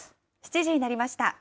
７時になりました。